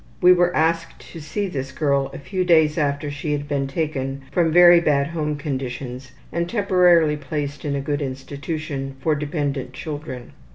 We were asked to see this girl a few days after she had been taken from very bad home conditions and temporarily placed in a good institution for dependent children.